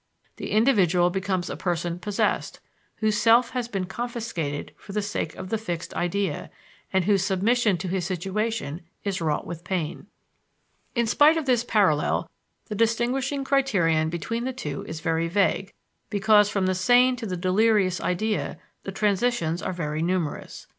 The individual becomes a person "possessed," whose self has been confiscated for the sake of the fixed idea, and whose submission to his situation is wrought with pain. In spite of this parallel the distinguishing criterion between the two is very vague, because from the sane to the delirious idea the transitions are very numerous.